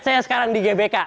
saya sekarang di gbk